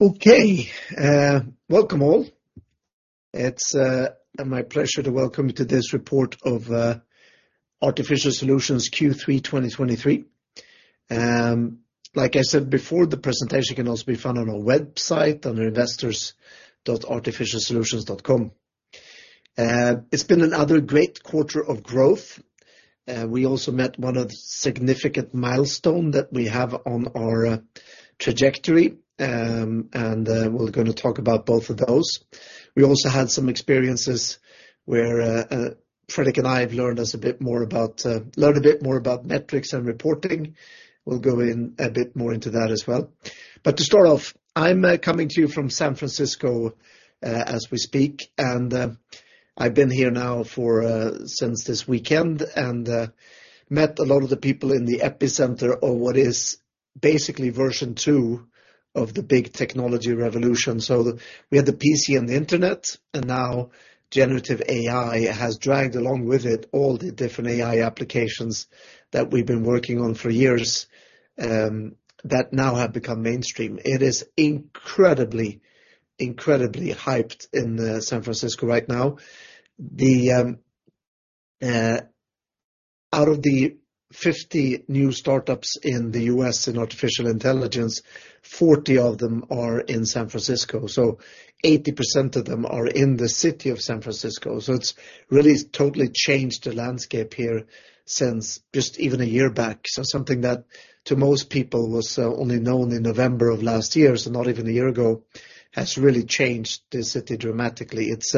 Okay, welcome all. It's my pleasure to welcome you to this report of Artificial Solutions Q3 2023. Like I said before, the presentation can also be found on our website, under investors.artificialsolutions.com. It's been another great quarter of growth. We also met one of the significant milestone that we have on our trajectory, and we're gonna talk about both of those. We also had some experiences where Fredrik and I have learned a bit more about metrics and reporting. We'll go in a bit more into that as well. But to start off, I'm coming to you from San Francisco, as we speak, and, I've been here now for, since this weekend and, met a lot of the people in the epicenter of what is basically version two of the big technology revolution. So we had the PC and the Internet, and now generative AI has dragged along with it all the different AI applications that we've been working on for years, that now have become mainstream. It is incredibly, incredibly hyped in, San Francisco right now. The out of the 50 new startups in the U.S. in artificial intelligence, 40 of them are in San Francisco, so 80% of them are in the city of San Francisco. So it's really totally changed the landscape here since just even a year back. So something that to most people was only known in November of last year, so not even a year ago, has really changed this city dramatically. It's,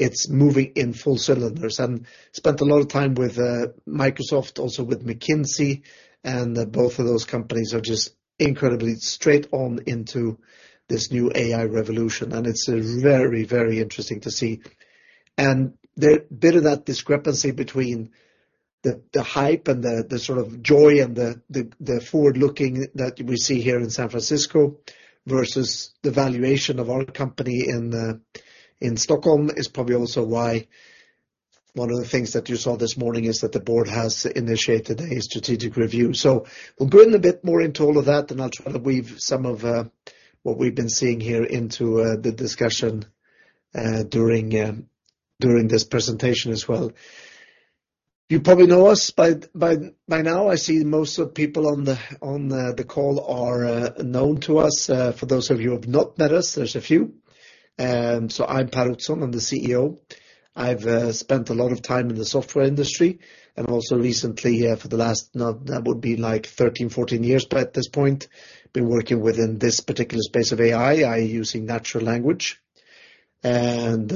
it's moving in full cylinders. And spent a lot of time with Microsoft, also with McKinsey, and both of those companies are just incredibly straight on into this new AI revolution, and it's very, very interesting to see. And the bit of that discrepancy between the hype and the sort of joy and the forward-looking that we see here in San Francisco versus the valuation of our company in Stockholm is probably also why one of the things that you saw this morning is that the board has initiated a strategic review. So we'll go in a bit more into all of that, and I'll try to weave some of what we've been seeing here into the discussion during this presentation as well. You probably know us by now. I see most of the people on the call are known to us. For those of you who have not met us, there's a few. So I'm Per Ottosson, I'm the CEO. I've spent a lot of time in the software industry and also recently here for the last... not, that would be like 13, 14 years by this point, been working within this particular space of AI using natural language, and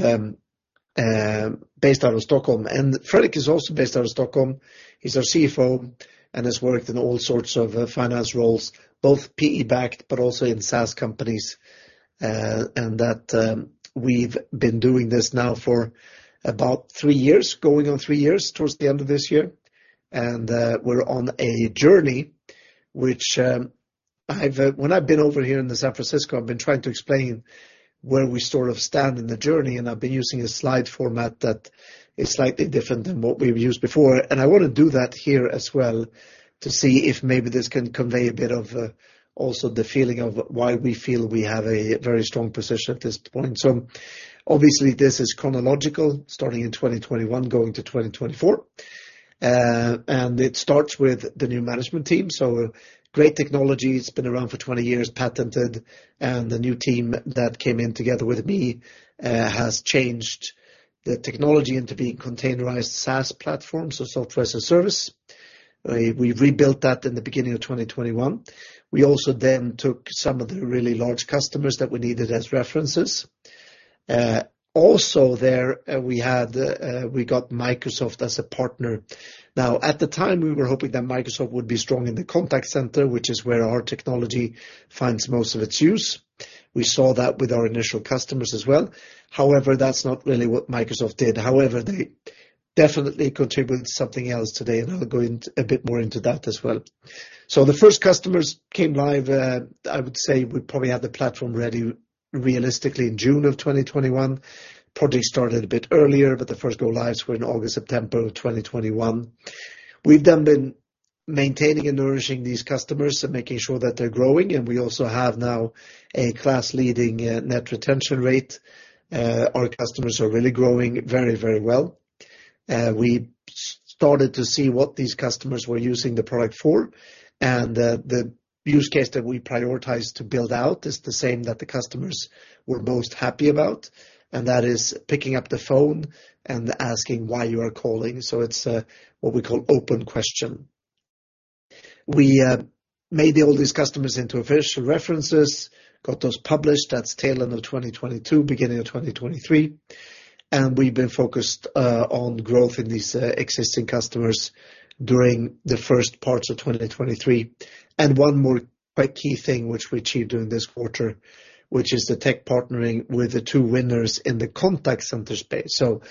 based out of Stockholm. And Fredrik is also based out of Stockholm. He's our CFO and has worked in all sorts of finance roles, both PE-backed, but also in SaaS companies. We've been doing this now for about three years, going on three years towards the end of this year. We're on a journey, which, when I've been over here in San Francisco, I've been trying to explain where we sort of stand in the journey, and I've been using a slide format that is slightly different than what we've used before. I want to do that here as well, to see if maybe this can convey a bit of also the feeling of why we feel we have a very strong position at this point. So obviously, this is chronological, starting in 2021, going to 2024. It starts with the new management team. So great technology, it's been around for 20 years, patented, and the new team that came in together with me has changed the technology into being containerized SaaS platform, so software as a service. We've rebuilt that in the beginning of 2021. We also then took some of the really large customers that we needed as references. Also there, we had, we got Microsoft as a partner. Now, at the time, we were hoping that Microsoft would be strong in the contact center, which is where our technology finds most of its use. We saw that with our initial customers as well. However, that's not really what Microsoft did. However, they definitely contribute something else today, and I'll go into a bit more into that as well. So the first customers came live. I would say we probably had the platform ready realistically in June of 2021. Project started a bit earlier, but the first go lives were in August, September of 2021. We've then been maintaining and nourishing these customers and making sure that they're growing, and we also have now a class-leading Net Retention Rate. Our customers are really growing very, very well. We started to see what these customers were using the product for, and the use case that we prioritized to build out is the same that the customers were most happy about, and that is picking up the phone and asking why you are calling. So it's what we call OpenQuestion. We made all these customers into official references, got those published. That's tail end of 2022, beginning of 2023. We've been focused on growth in these existing customers during the first parts of 2023. One more quite key thing, which we achieved during this quarter, which is the tech partnering with the two winners in the contact center space. So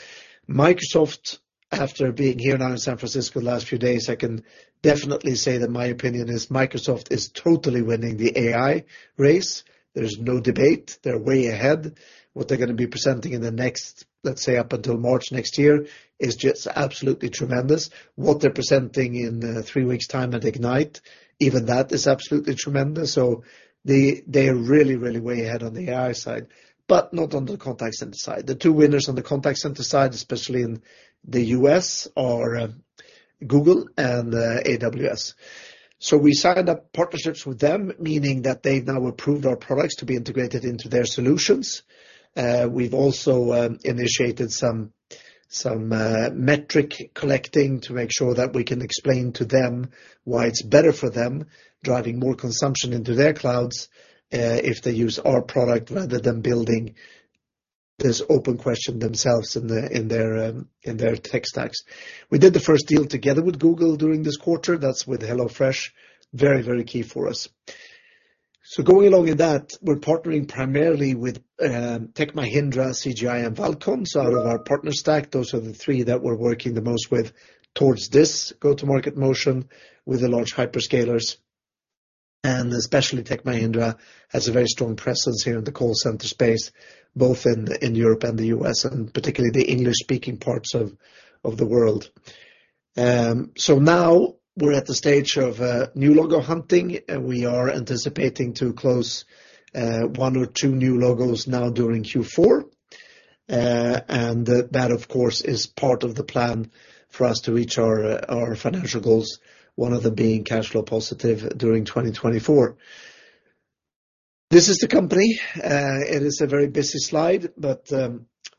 Microsoft, after being here now in San Francisco the last few days, I can definitely say that my opinion is Microsoft is totally winning the AI race. There's no debate. They're way ahead. What they're gonna be presenting in the next, let's say, up until March next year, is just absolutely tremendous. What they're presenting in three weeks time at Ignite, even that is absolutely tremendous. So they, they are really, really way ahead on the AI side, but not on the contact center side. The two winners on the contact center side, especially in the U.S., are Google and AWS. So we signed up partnerships with them, meaning that they've now approved our products to be integrated into their solutions. We've also initiated some metric collecting to make sure that we can explain to them why it's better for them, driving more consumption into their clouds, if they use our product rather than building this OpenQuestion themselves in their tech stacks. We did the first deal together with Google during this quarter. That's with HelloFresh. Very, very key for us. So going along with that, we're partnering primarily with Tech Mahindra, CGI, and Valcon. So out of our partner stack, those are the three that we're working the most with towards this go-to-market motion with the large hyperscalers, and especially Tech Mahindra has a very strong presence here in the call center space, both in Europe and the U.S., and particularly the English-speaking parts of the world. So now we're at the stage of new logo hunting, and we are anticipating to close one or two new logos now during Q4. And that, of course, is part of the plan for us to reach our financial goals, one of them being cash flow positive during 2024. This is the company. It is a very busy slide, but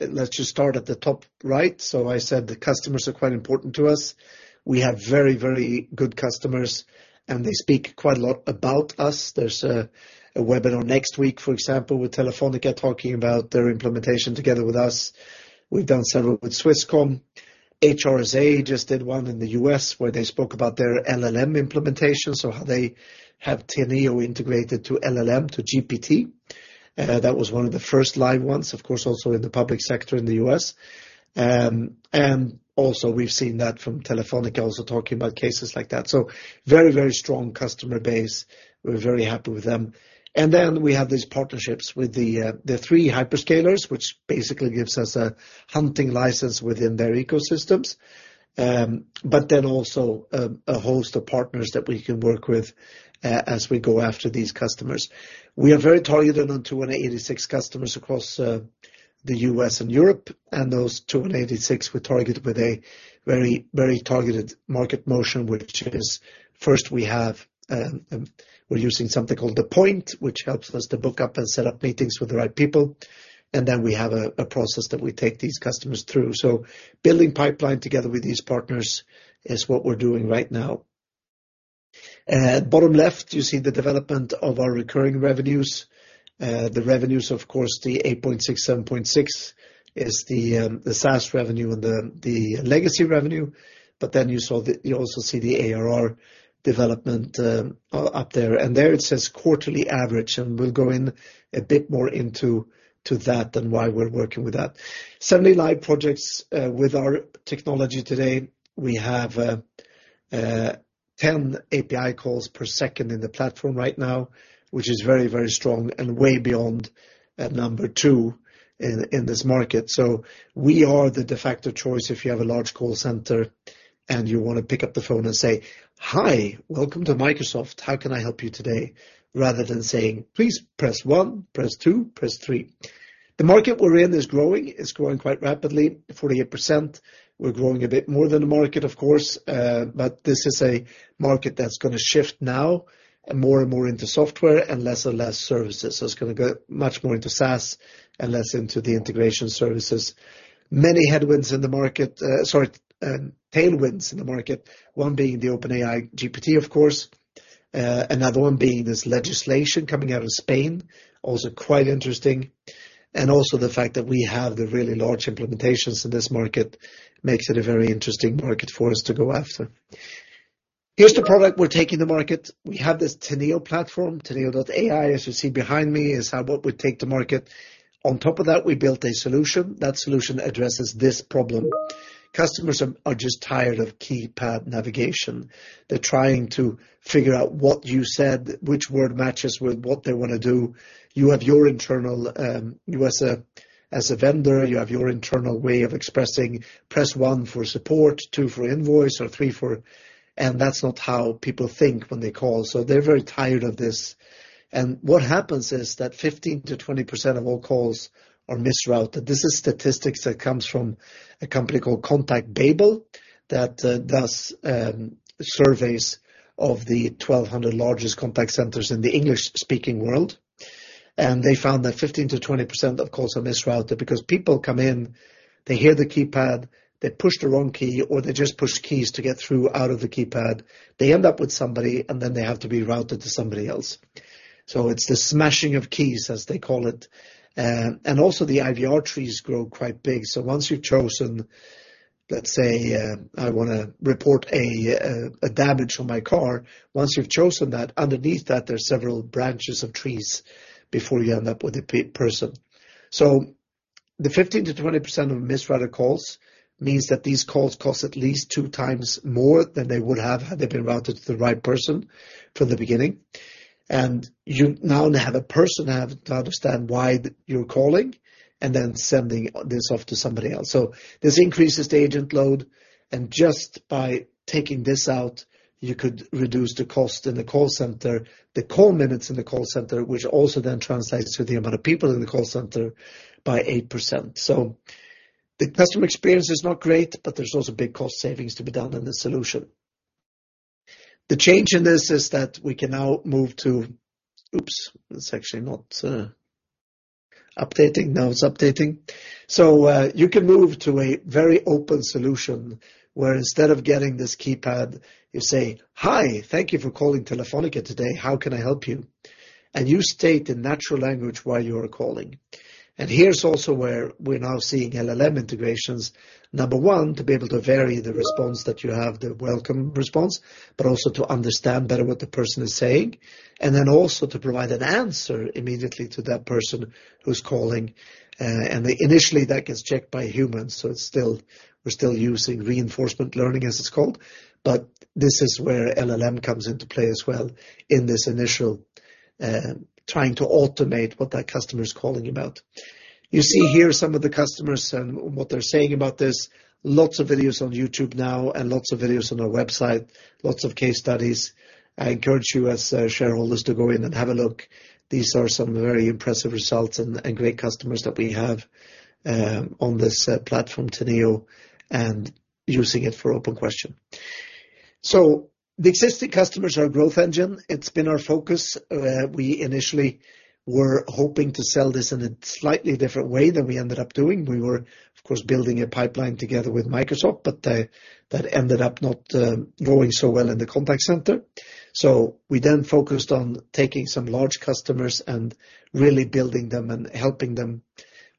let's just start at the top right. So I said the customers are quite important to us. We have very, very good customers, and they speak quite a lot about us. There's a webinar next week, for example, with Telefónica, talking about their implementation together with us. We've done several with Swisscom. HRSA just did one in the U.S., where they spoke about their LLM implementation, so how they have Teneo integrated to LLM, to GPT. That was one of the first live ones, of course, also in the public sector in the U.S. And also we've seen that from Telefónica, also talking about cases like that. So very, very strong customer base. We're very happy with them. And then we have these partnerships with the three hyperscalers, which basically gives us a hunting license within their ecosystems. But then also a host of partners that we can work with as we go after these customers. We are very targeted on 286 customers across the U.S. and Europe, and those 286 were targeted with a very, very targeted market motion. Which is, first we have, we're using something called The Point, which helps us to book up and set up meetings with the right people, and then we have a process that we take these customers through. So building pipeline together with these partners is what we're doing right now. Bottom left, you see the development of our recurring revenues. The revenues, of course, the 8.6, 7.6, is the SaaS revenue and the legacy revenue. But then you saw the... You also see the ARR development, up there, and there it says quarterly average, and we'll go in a bit more into that, and why we're working with that. 70 live projects, with our technology today. We have ten API calls per second in the platform right now, which is very, very strong and way beyond number two in this market. So we are the de facto choice if you have a large call center and you wanna pick up the phone and say, "Hi, welcome to Microsoft. How can I help you today?" Rather than saying, "Please press one, press two, press three." The market we're in is growing. It's growing quite rapidly, 48%. We're growing a bit more than the market, of course, but this is a market that's gonna shift now more and more into software and less and less services. So it's gonna go much more into SaaS and less into the integration services. Many headwinds in the market, sorry, tailwinds in the market, one being the OpenAI, GPT, of course, another one being this legislation coming out of Spain, also quite interesting. And also the fact that we have the really large implementations in this market makes it a very interesting market for us to go after. Here's the product we're taking to market. We have this Teneo platform. Teneo.ai, as you see behind me, is what we take to market. On top of that, we built a solution. That solution addresses this problem. Customers are just tired of keypad navigation. They're trying to figure out what you said, which word matches with what they wanna do. You have your internal, you as a vendor, you have your internal way of expressing, "Press one for support, two for invoice, or three for..." That's not how people think when they call, so they're very tired of this. What happens is that 15%-20% of all calls are misrouted. This is statistics that comes from a company called ContactBabel, that does surveys of the 1,200 largest contact centers in the English-speaking world. They found that 15%-20% of calls are misrouted because people come in, they hear the keypad, they push the wrong key, or they just push keys to get through out of the keypad. They end up with somebody, and then they have to be routed to somebody else. So it's the smashing of keys, as they call it. And also, the IVR trees grow quite big. So once you've chosen, let's say, I wanna report a damage on my car. Once you've chosen that, underneath that, there's several branches of trees before you end up with a person. So the 15%-20% of misrouted calls means that these calls cost at least two times more than they would have had they been routed to the right person from the beginning. And you now have a person have to understand why you're calling and then sending this off to somebody else. So this increases the agent load, and just by taking this out, you could reduce the cost in the call center, the call minutes in the call center, which also then translates to the amount of people in the call center by 8%. So the customer experience is not great, but there's also big cost savings to be done in this solution. The change in this is that we can now move to-- Oops, it's actually not updating. Now it's updating. So, you can move to a very open solution, where instead of getting this keypad, you say, "Hi, thank you for calling Telefónica today. How can I help you?" And you state in natural language why you are calling. And here's also where we're now seeing LLM integrations. Number one, to be able to vary the response that you have, the welcome response, but also to understand better what the person is saying, and then also to provide an answer immediately to that person who's calling. And initially, that gets checked by humans, so it's still, we're still using reinforcement learning, as it's called. But this is where LLM comes into play as well in this initial, trying to automate what that customer is calling about. You see here some of the customers and what they're saying about this. Lots of videos on YouTube now and lots of videos on our website, lots of case studies. I encourage you as shareholders to go in and have a look. These are some very impressive results and, and great customers that we have, on this, platform, Teneo, and using it for OpenQuestion. So the existing customers are our growth engine. It's been our focus. We initially were hoping to sell this in a slightly different way than we ended up doing. We were, of course, building a pipeline together with Microsoft, but that ended up not going so well in the contact center. So we then focused on taking some large customers and really building them and helping them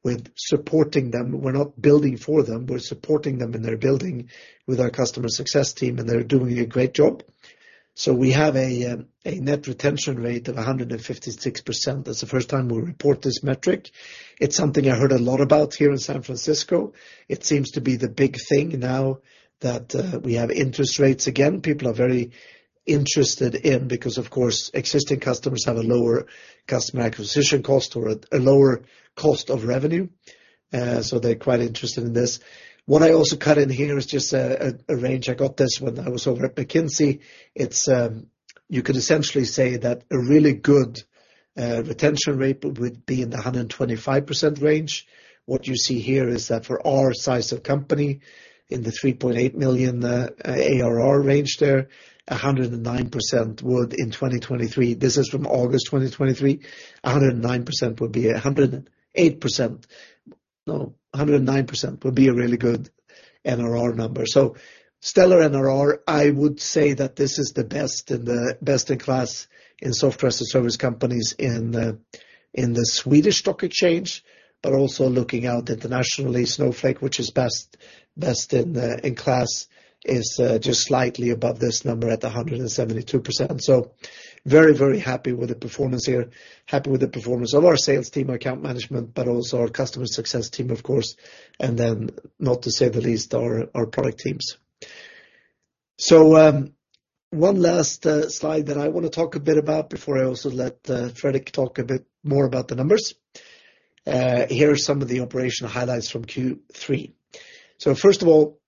with supporting them. We're not building for them, we're supporting them in their building with our customer success team, and they're doing a great job. So we have a net retention rate of 156%. That's the first time we'll report this metric. It's something I heard a lot about here in San Francisco. It seems to be the big thing now that we have interest rates again. People are very interested in this because, of course, existing customers have a lower customer acquisition cost or a lower cost of revenue. So they're quite interested in this. What I also cut in here is just a range. I got this when I was over at McKinsey. You could essentially say that a really good retention rate would be in the 125% range. What you see here is that for our size of company, in the 3.8 million ARR range there, 109% would in 2023. This is from August 2023. 109% would be 108%. No, 109% would be a really good NRR number. So Stellar NRR, I would say that this is the best in the best in class in software as a service companies in, in the Swedish Stock Exchange, but also looking out internationally, Snowflake, which is best, best in, in class, is, just slightly above this number at 172%. So very, very happy with the performance here, happy with the performance of our sales team, account management, but also our customer success team, of course, and then not to say the least, our, our product teams. So, one last, slide that I want to talk a bit about before I also let, Fredrik talk a bit more about the numbers. Here are some of the operational highlights from Q3. So first of all,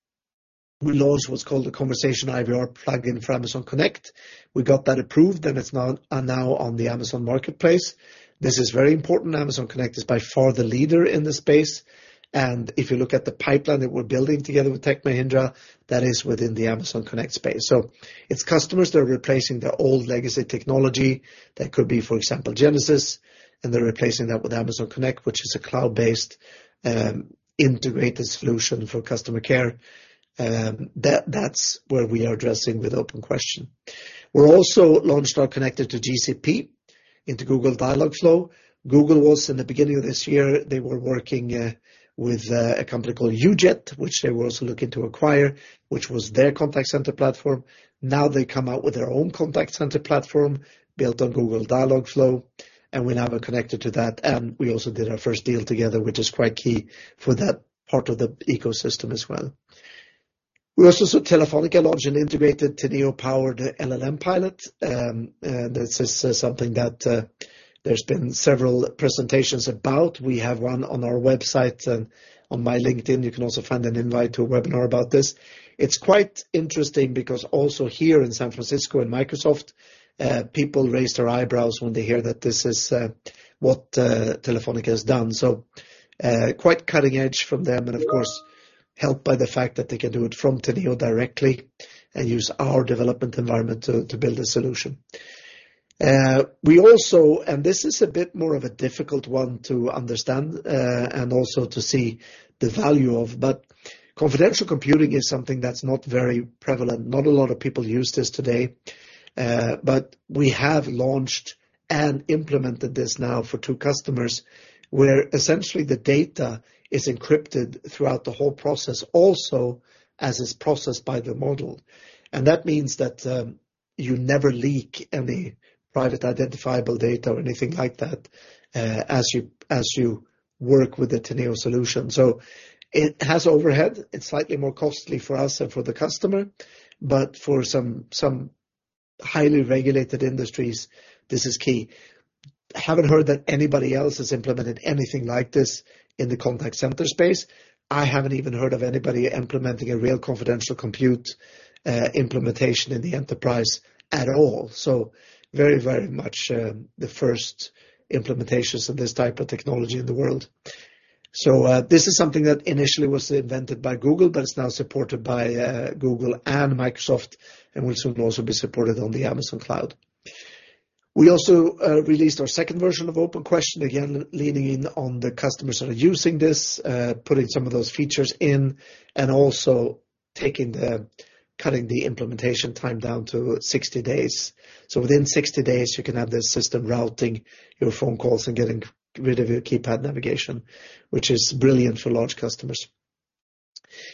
we launched what's called a conversation IVR plugin for Amazon Connect. We got that approved, and it's now on the Amazon Marketplace. This is very important. Amazon Connect is by far the leader in this space, and if you look at the pipeline that we're building together with Tech Mahindra, that is within the Amazon Connect space. So it's customers that are replacing their old legacy technology. That could be, for example, Genesys, and they're replacing that with Amazon Connect, which is a cloud-based integrated solution for customer care. That's where we are addressing with OpenQuestion. We're also launched our connector to GCP into Google Dialogflow. Google was in the beginning of this year, they were working with a company called UJET which they were also looking to acquire, which was their contact center platform. Now they come out with their own contact center platform built on Google Dialogflow, and we now are connected to that, and we also did our first deal together, which is quite key for that part of the ecosystem as well. We also saw Telefónica launch an integrated Teneo-powered LLM pilot, and this is something that, there's been several presentations about. We have one on our website and on my LinkedIn. You can also find an invite to a webinar about this. It's quite interesting because also here in San Francisco and Microsoft, people raise their eyebrows when they hear that this is what Telefónica has done. So, quite cutting edge from them, and of course, helped by the fact that they can do it from Teneo directly and use our development environment to build a solution. We also, and this is a bit more of a difficult one to understand, and also to see the value of, but confidential computing is something that's not very prevalent. Not a lot of people use this today, but we have launched and implemented this now for two customers, where essentially the data is encrypted throughout the whole process, also as is processed by the model. And that means that you never leak any private identifiable data or anything like that, as you work with the Teneo solution. So it has overhead, it's slightly more costly for us and for the customer, but for some highly regulated industries, this is key. Haven't heard that anybody else has implemented anything like this in the contact center space. I haven't even heard of anybody implementing a real confidential compute implementation in the enterprise at all. So very, very much the first implementations of this type of technology in the world. So this is something that initially was invented by Google, but it's now supported by Google and Microsoft, and which will also be supported on the Amazon cloud. We also released our second version of OpenQuestion, again leaning in on the customers that are using this, putting some of those features in, and also cutting the implementation time down to 60 days. So within 60 days, you can have this system routing your phone calls and getting rid of your keypad navigation, which is brilliant for large customers.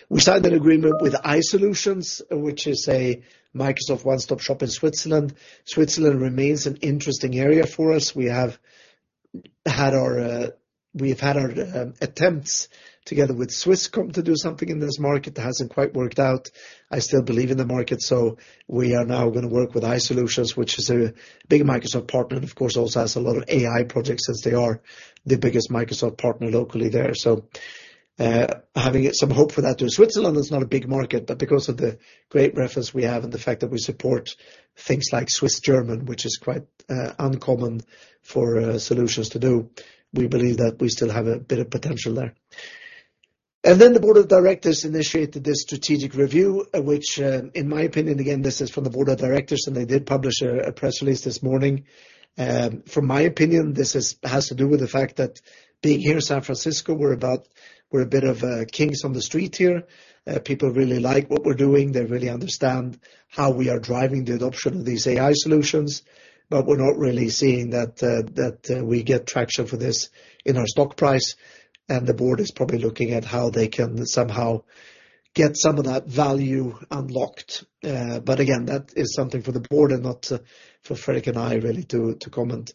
We signed an agreement with isolutions, which is a Microsoft one-stop shop in Switzerland. Switzerland remains an interesting area for us. We've had our attempts, together with Swisscom, to do something in this market. That hasn't quite worked out. I still believe in the market, so we are now gonna work with isolutions, which is a big Microsoft partner, and of course, also has a lot of AI projects as they are the biggest Microsoft partner locally there. So, having some hope for that, too. Switzerland is not a big market, but because of the great reference we have and the fact that we support things like Swiss German, which is quite uncommon for solutions to do, we believe that we still have a bit of potential there. And then the board of directors initiated this strategic review, which, in my opinion, again, this is from the board of directors, and they did publish a press release this morning. From my opinion, this has to do with the fact that being here in San Francisco, we're a bit of kings on the street here. People really like what we're doing, they really understand how we are driving the adoption of these AI solutions, but we're not really seeing that we get traction for this in our stock price, and the board is probably looking at how they can somehow get some of that value unlocked. But again, that is something for the board and not for Fredrik and I really to comment.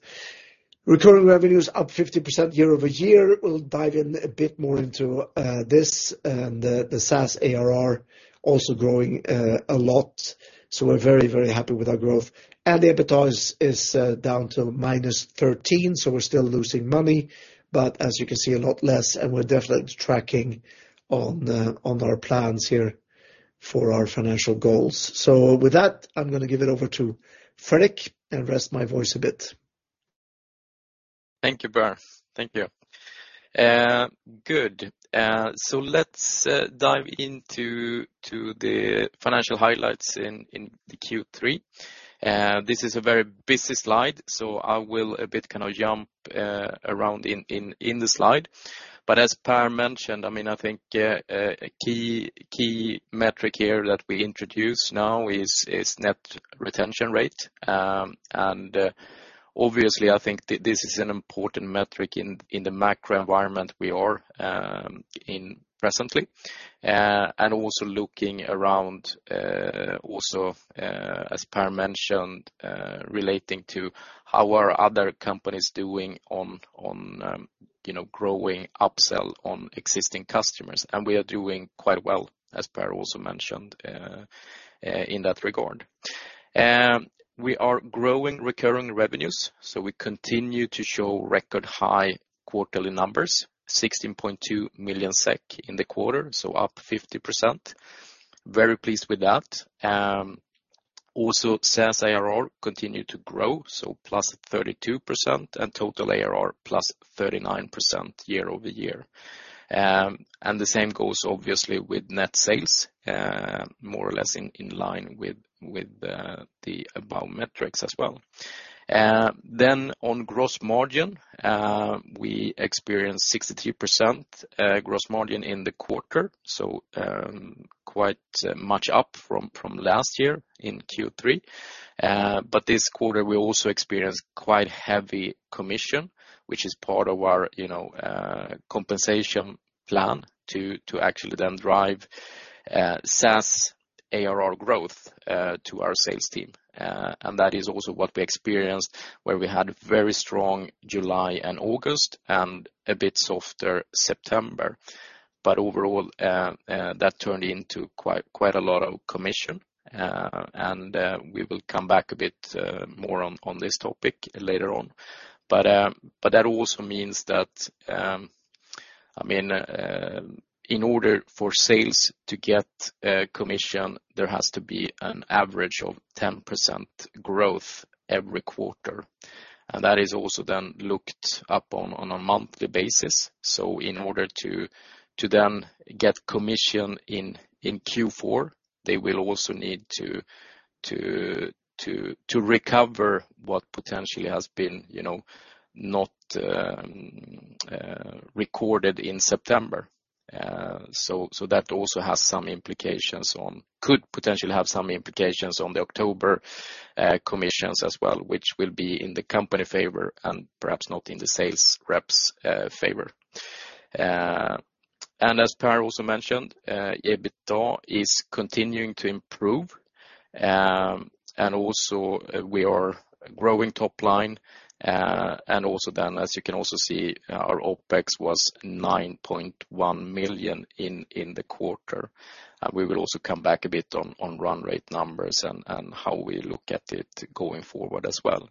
Recurring revenues up 50% year-over-year. We'll dive in a bit more into this, and the SaaS ARR also growing a lot, so we're very, very happy with our growth. The EBITDA is down to -13, so we're still losing money, but as you can see, a lot less, and we're definitely tracking on our plans here for our financial goals. With that, I'm gonna give it over to Fredrik and rest my voice a bit. Thank you, Per. Thank you. Good. So let's dive into the financial highlights in the Q3. This is a very busy slide, so I will a bit kinda jump around in the slide. But as Per mentioned, I mean, I think a key metric here that we introduce now is Net Retention Rate. Obviously, I think this is an important metric in the macro environment we are in presently. Also looking around, also as Per mentioned, relating to how are other companies doing on you know, growing upsell on existing customers, and we are doing quite well, as Per also mentioned, in that regard. We are growing recurring revenues, so we continue to show record high quarterly numbers, 16.2 million SEK in the quarter, so up 50%. Very pleased with that. Also, SaaS ARR continued to grow, so +32%, and total ARR, +39% year-over-year. And the same goes obviously with net sales, more or less in line with the above metrics as well. Then on gross margin, we experienced 63% gross margin in the quarter, so quite much up from last year in Q3. But this quarter, we also experienced quite heavy commission, which is part of our, you know, compensation plan to actually then drive SaaS ARR growth to our sales team. And that is also what we experienced, where we had very strong July and August and a bit softer September. But overall, that turned into quite a lot of commission, and we will come back a bit more on this topic later on. But that also means that, I mean, in order for sales to get commission, there has to be an average of 10% growth every quarter. And that is also then looked up on a monthly basis. So in order to then get commission in Q4, they will also need to recover what potentially has been, you know, not recorded in September. So that also has some implications on... Could potentially have some implications on the October commissions as well, which will be in the company favor and perhaps not in the sales reps' favor. As Per also mentioned, EBITDA is continuing to improve. And also we are growing top line, and also then, as you can also see, our OpEx was 9.1 million in the quarter. We will also come back a bit on run rate numbers and how we look at it going forward as well.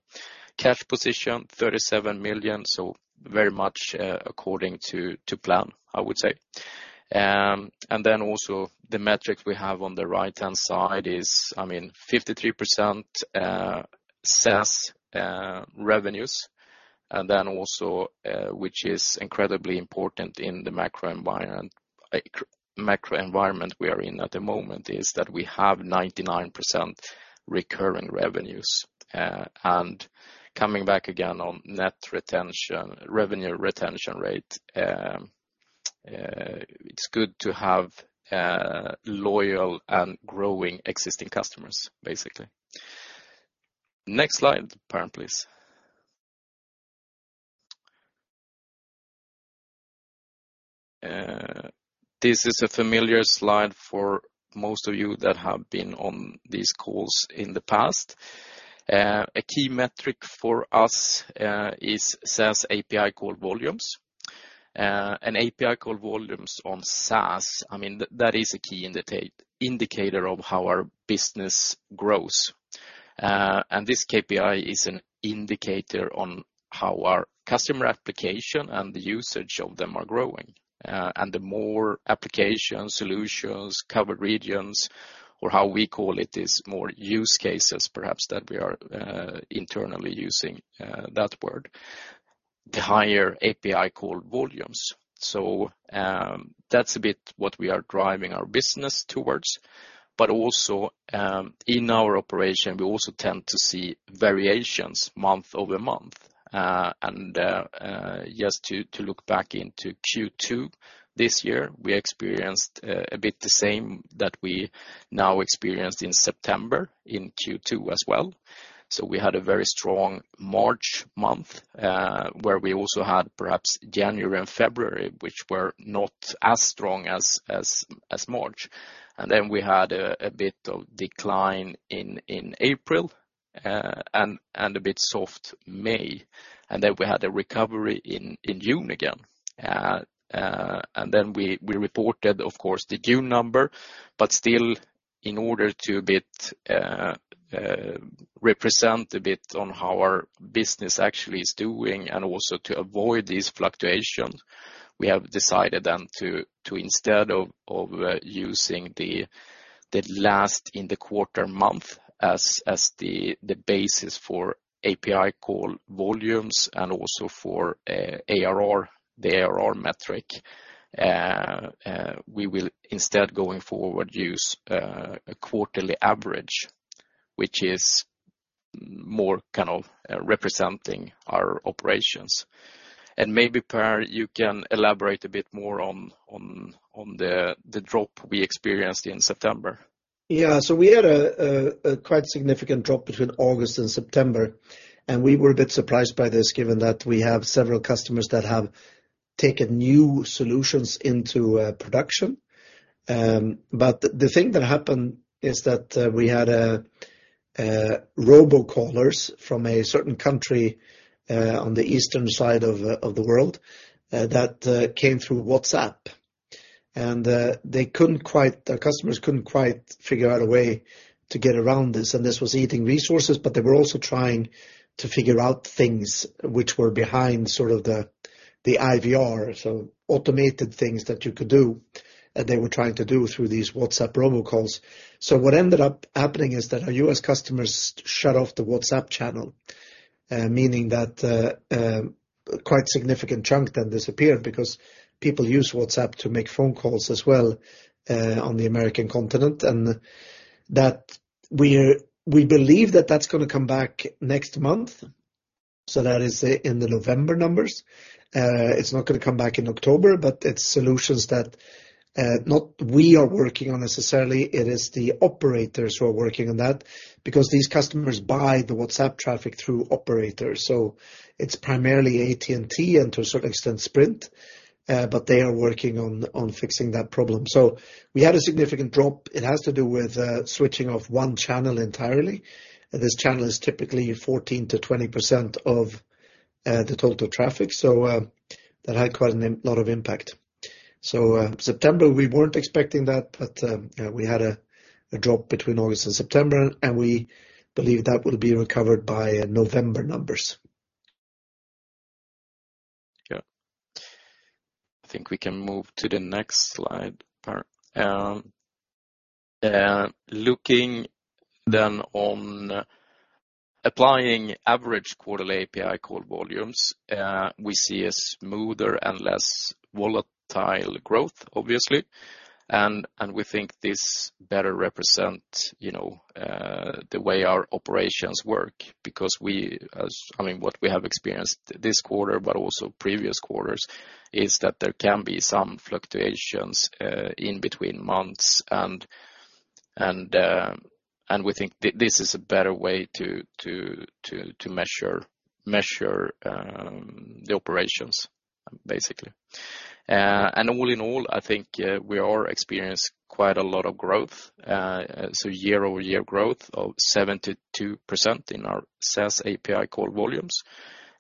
Cash position, 37 million, so very much according to plan, I would say. And then also the metric we have on the right-hand side is, I mean, 53% SaaS revenues. And then also, which is incredibly important in the macro environment we are in at the moment, is that we have 99% recurring revenues. And coming back again on net retention, revenue retention rate, it's good to have loyal and growing existing customers, basically. Next slide, Per, please. This is a familiar slide for most of you that have been on these calls in the past. A key metric for us is SaaS API call volumes. And API call volumes on SaaS, I mean, that is a key indicator of how our business grows. And this KPI is an indicator on how our customer application and the usage of them are growing. And the more application, solutions, covered regions, or how we call it, is more use cases, perhaps, that we are internally using that word, the higher API call volumes. So, that's a bit what we are driving our business towards. But also, in our operation, we also tend to see variations month-over-month. Just to look back into Q2 this year, we experienced a bit the same that we now experienced in September, in Q2 as well. So we had a very strong March month, where we also had perhaps January and February, which were not as strong as March. And then we had a bit of decline in April, and a bit soft May. And then we had a recovery in June again. And then we reported, of course, the June number, but still, in order to a bit represent a bit on how our business actually is doing and also to avoid this fluctuation, we have decided then to instead of using the last in the quarter month as the basis for API call volumes and also for ARR, the ARR metric, we will instead, going forward, use a quarterly average, which is more kind of representing our operations. And maybe, Per, you can elaborate a bit more on the drop we experienced in September. Yeah. So we had a quite significant drop between August and September, and we were a bit surprised by this, given that we have several customers that have taken new solutions into production. But the thing that happened is that we had robocallers from a certain country on the eastern side of the world that came through WhatsApp. And they couldn't quite. The customers couldn't quite figure out a way to get around this, and this was eating resources, but they were also trying to figure out things which were behind sort of the IVR, so automated things that you could do, that they were trying to do through these WhatsApp robocalls. So what ended up happening is that our U.S. customers shut off the WhatsApp channel, meaning that a quite significant chunk then disappeared because people use WhatsApp to make phone calls as well on the American continent. And that we believe that's gonna come back next month, so that is in the November numbers. It's not gonna come back in October, but it's solutions that not we are working on necessarily. It is the operators who are working on that, because these customers buy the WhatsApp traffic through operators. So it's primarily AT&T and to a certain extent Sprint, but they are working on fixing that problem. So we had a significant drop. It has to do with switching off one channel entirely. This channel is typically 14%-20% of the total traffic, so that had quite a lot of impact. So, September, we weren't expecting that, but we had a drop between August and September, and we believe that will be recovered by November numbers. Yeah. I think we can move to the next slide, Per. Looking then on applying average quarterly API call volumes, we see a smoother and less volatile growth, obviously. And we think this better represent, you know, the way our operations work, because we, as... I mean, what we have experienced this quarter, but also previous quarters, is that there can be some fluctuations in between months. And we think this is a better way to measure the operations, basically. And all in all, I think we are experienced quite a lot of growth. So year-over-year growth of 72% in our SaaS API call volumes.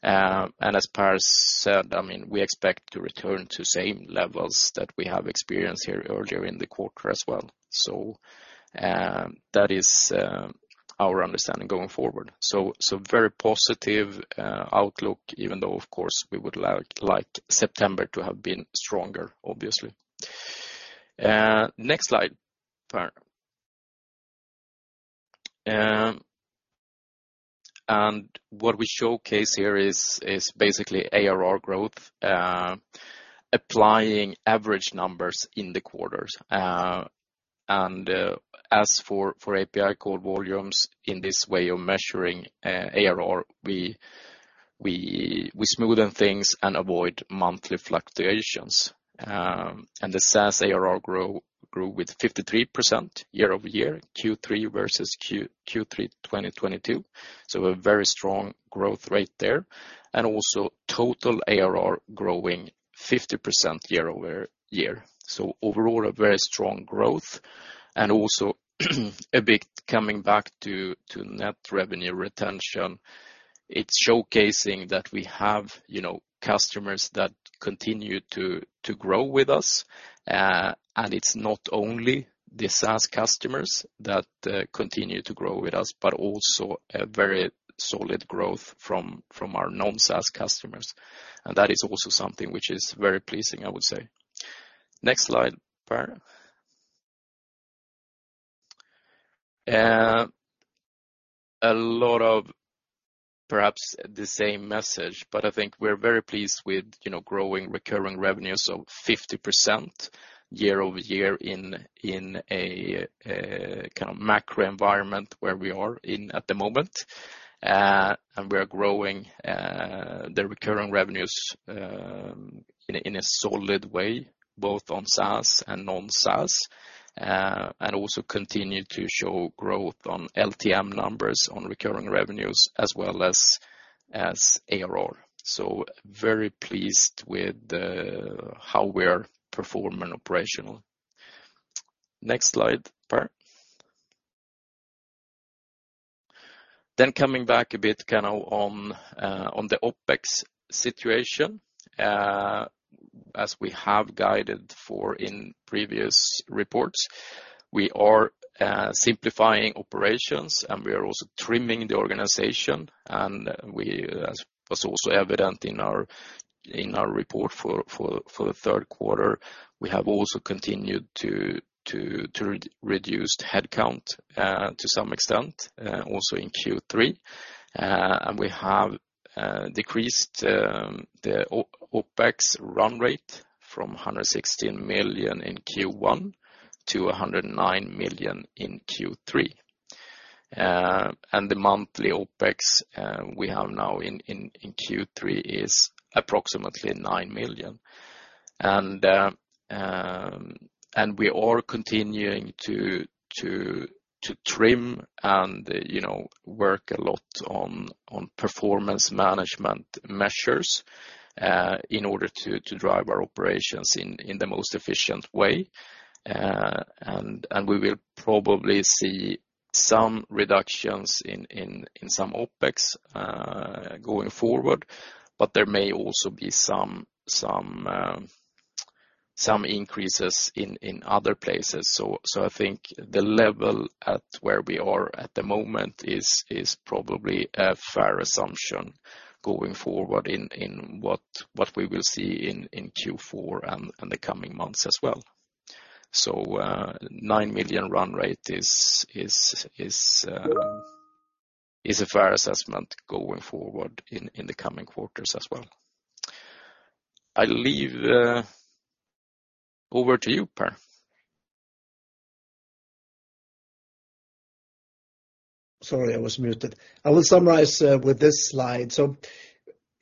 And as Per said, I mean, we expect to return to same levels that we have experienced here earlier in the quarter as well. So, that is our understanding going forward. So very positive outlook, even though, of course, we would like September to have been stronger, obviously. Next slide, Per. And what we showcase here is basically ARR growth, applying average numbers in the quarters. And as for API code volumes, in this way of measuring ARR, we smoothen things and avoid monthly fluctuations. And the SaaS ARR grew with 53% year-over-year, Q3 versus Q3, 2022. So a very strong growth rate there. And also total ARR growing 50% year-over-year. So overall, a very strong growth, and also a big coming back to net revenue retention. It's showcasing that we have, you know, customers that continue to grow with us. It's not only the SaaS customers that continue to grow with us, but also a very solid growth from our non-SaaS customers. And that is also something which is very pleasing, I would say. Next slide, Per. A lot of perhaps the same message, but I think we're very pleased with, you know, growing recurring revenues of 50% year-over-year in a kind of macro environment where we are in at the moment. And we are growing the recurring revenues in a solid way, both on SaaS and non-SaaS, and also continue to show growth on LTM numbers on recurring revenues, as well as ARR. So very pleased with how we are performing operational. Next slide, Per. Then coming back a bit kind of on the OpEx situation. As we have guided for in previous reports, we are simplifying operations, and we are also trimming the organization. As was also evident in our report for the third quarter, we have also continued to reduce headcount, to some extent, also in Q3. We have decreased the OpEx run rate from 116 million in Q1-SEK 109 million in Q3. The monthly OpEx we have now in Q3 is approximately 9 million. We are continuing to trim and, you know, work a lot on performance management measures in order to drive our operations in the most efficient way. And we will probably see some reductions in some OpEx going forward, but there may also be some increases in other places. So I think the level at where we are at the moment is probably a fair assumption going forward in what we will see in Q4 and the coming months as well. So 9 million run rate is a fair assessment going forward in the coming quarters as well. I leave over to you, Per. Sorry, I was muted. I will summarize with this slide. So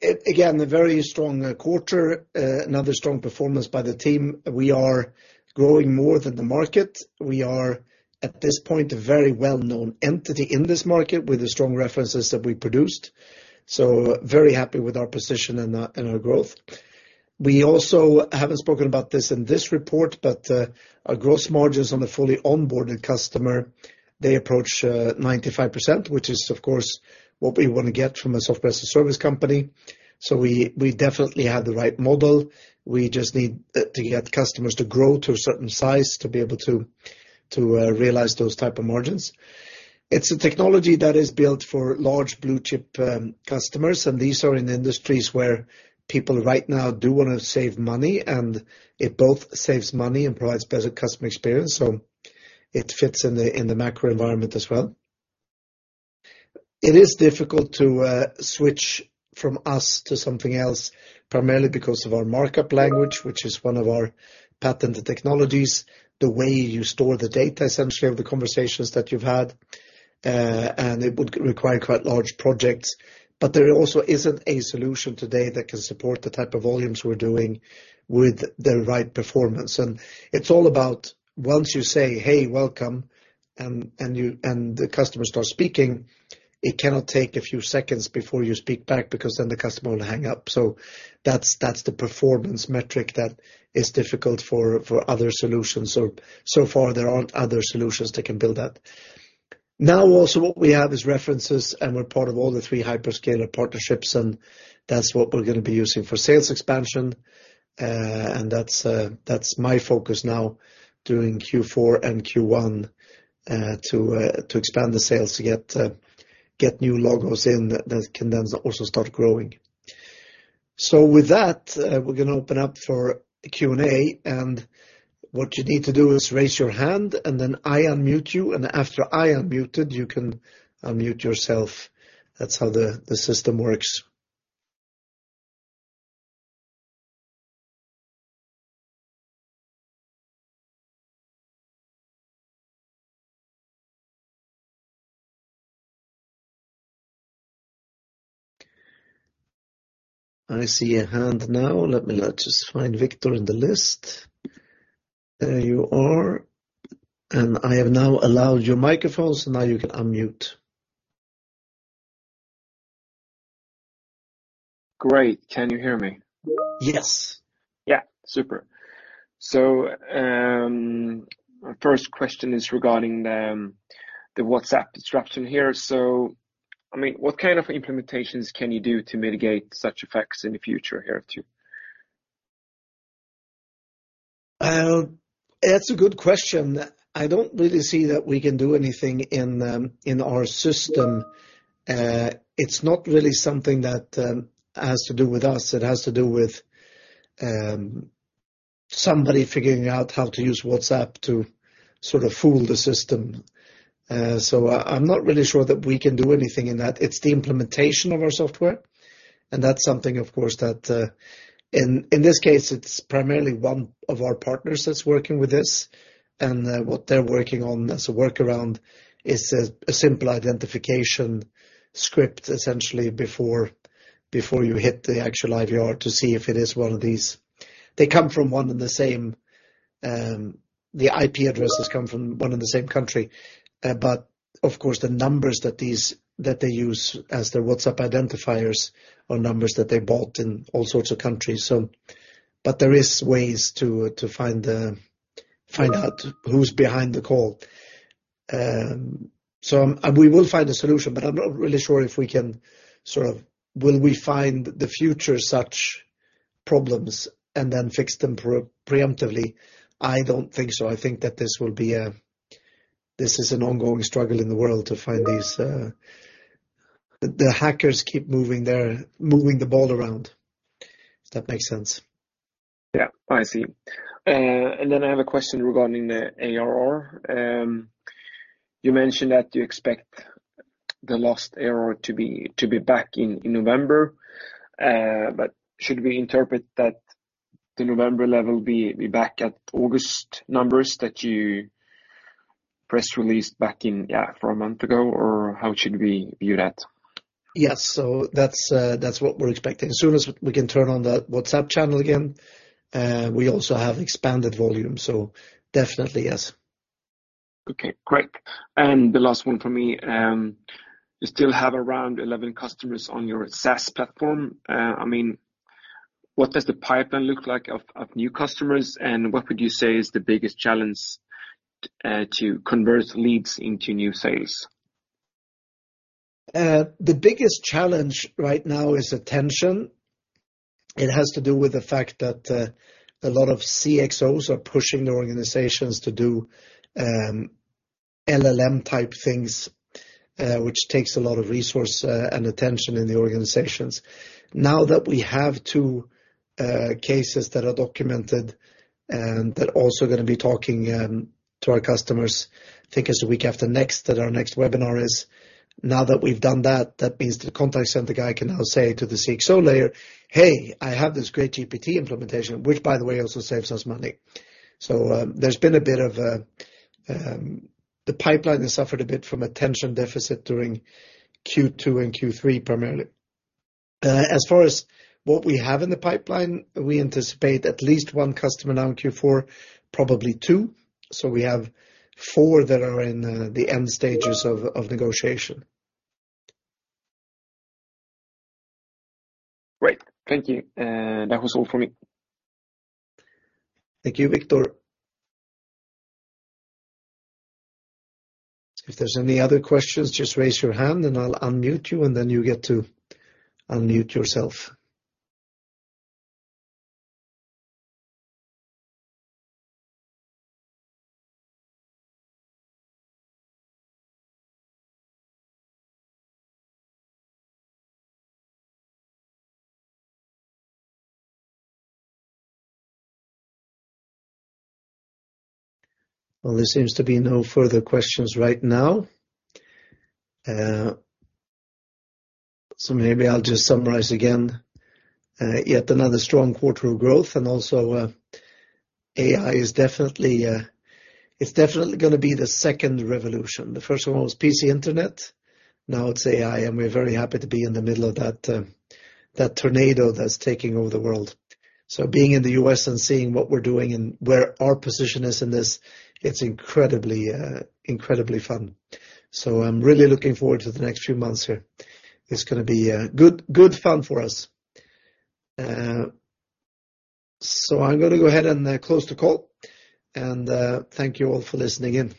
again, a very strong quarter, another strong performance by the team. We are growing more than the market. We are, at this point, a very well-known entity in this market with the strong references that we produced. So very happy with our position and our growth. We also haven't spoken about this in this report, but our gross margins on the fully onboarded customer, they approach 95%, which is, of course, what we want to get from a software as a service company. So we definitely have the right model. We just need to get customers to grow to a certain size to be able to realize those type of margins. It's a technology that is built for large blue chip customers, and these are in industries where people right now do wanna save money, and it both saves money and provides better customer experience, so it fits in the macro environment as well. It is difficult to switch from us to something else, primarily because of our markup language, which is one of our patented technologies, the way you store the data, essentially, of the conversations that you've had. And it would require quite large projects, but there also isn't a solution today that can support the type of volumes we're doing with the right performance. And it's all about once you say, "Hey, welcome," and the customer starts speaking, it cannot take a few seconds before you speak back, because then the customer will hang up. So that's the performance metric that is difficult for other solutions. So far, there aren't other solutions that can build that. Now, also, what we have is references, and we're part of all the three hyperscaler partnerships, and that's what we're gonna be using for sales expansion. And that's my focus now, during Q4 and Q1, to expand the sales, to get new logos in, that can then also start growing. So with that, we're gonna open up for Q&A, and what you need to do is raise your hand, and then I unmute you, and after I unmute it, you can unmute yourself. That's how the system works. I see a hand now. Let me just find Victor in the list. There you are, and I have now allowed your microphone, so now you can unmute. Great. Can you hear me? Yes. Yeah. Super. So, my first question is regarding the WhatsApp disruption here. So, I mean, what kind of implementations can you do to mitigate such effects in the future hereafter? That's a good question. I don't really see that we can do anything in, in our system. It's not really something that has to do with us. It has to do with somebody figuring out how to use WhatsApp to sort of fool the system. So I, I'm not really sure that we can do anything in that. It's the implementation of our software, and that's something, of course, that, in, in this case, it's primarily one of our partners that's working with this, and what they're working on as a workaround is a simple identification script, essentially, before, before you hit the actual IVR to see if it is one of these. They come from one and the same... The IP addresses come from one and the same country. But of course, the numbers that they use as their WhatsApp identifiers are numbers that they bought in all sorts of countries. There is ways to find out who's behind the call. And we will find a solution, but I'm not really sure if we can sort of will we find the future such problems and then fix them preemptively? I don't think so. I think that this is an ongoing struggle in the world to find these. The hackers keep moving the ball around. If that makes sense. Yeah, I see. And then I have a question regarding the ARR. You mentioned that you expect the last error to be back in November, but should we interpret that the November level be back at August numbers that you press released back in, yeah, for a month ago, or how should we view that? Yes. So that's, that's what we're expecting. As soon as we can turn on that WhatsApp channel again, we also have expanded volume, so definitely, yes. Okay, great. The last one for me, you still have around 11 customers on your SaaS platform. I mean, what does the pipeline look like of new customers, and what would you say is the biggest challenge to convert leads into new sales? The biggest challenge right now is attention. It has to do with the fact that a lot of CXOs are pushing the organizations to do LLM-type things, which takes a lot of resource and attention in the organizations. Now that we have two cases that are documented and they're also gonna be talking to our customers, I think it's the week after next that our next webinar is. Now that we've done that, that means the contact center guy can now say to the CXO layer, "Hey, I have this great GPT implementation, which, by the way, also saves us money." So, the pipeline has suffered a bit from attention deficit during Q2 and Q3, primarily. As far as what we have in the pipeline, we anticipate at least one customer now in Q4, probably two. So we have four that are in the end stages of negotiation. Great. Thank you. That was all for me. Thank you, Victor. If there's any other questions, just raise your hand, and I'll unmute you, and then you get to unmute yourself. Well, there seems to be no further questions right now, so maybe I'll just summarize again. Yet another strong quarter of growth, and also, AI is definitely, it's definitely gonna be the second revolution. The first one was PC Internet. Now it's AI, and we're very happy to be in the middle of that tornado that's taking over the world. So being in the U.S. and seeing what we're doing and where our position is in this, it's incredibly fun. So I'm really looking forward to the next few months here. It's gonna be good, good fun for us. So I'm gonna go ahead and close the call, and thank you all for listening in.